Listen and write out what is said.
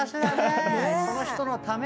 その人のために。